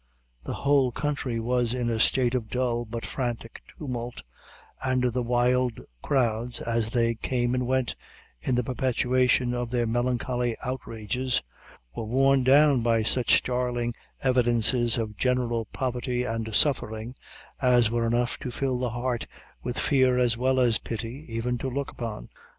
The whole country was in a state of dull but frantic tumult, and the wild crowds as they came and went in the perpetration of their melancholy outrages, were worn down by such starling evidences of general poverty and suffering, as were enough to fill the heart with fear as well as pity, even to look upon.